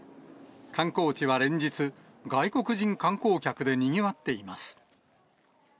観光地は連日、外国人観光客でにぎわっています。